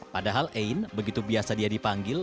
padahal ain begitu biasa dia dipanggil